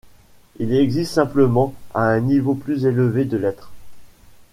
Il existe simplement à un niveau plus élevé de l'être.